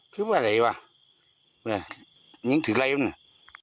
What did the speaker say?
คิดว่าอะไรวะยิงถึงอะไรวะเนี่ย